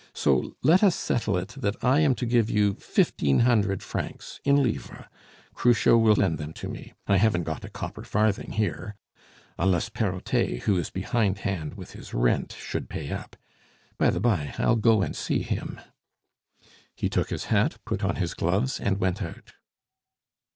So let us settle it that I am to give you fifteen hundred francs in livres; Cruchot will lend them to me. I haven't got a copper farthing here, unless Perrotet, who is behindhand with his rent, should pay up. By the bye, I'll go and see him." He took his hat, put on his gloves, and went out.